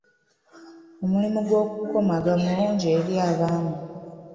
Omulimu gw’okukomaga mulungi eri abaami.